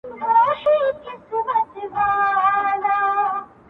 او خپل څادر يې تر خپل څنگ هوار کړ.